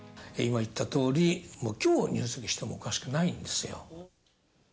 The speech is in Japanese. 今言ったとおり、もう、きょう入籍してもおかしくないんですよ。